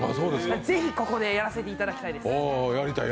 ぜひ、ここでやらせていただきたいです。